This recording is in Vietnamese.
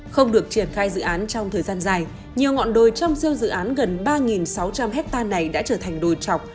không được triển khai dự án trong thời gian dài nhiều ngọn đồi trong siêu dự án gần ba sáu trăm linh hectare này đã trở thành đồi chọc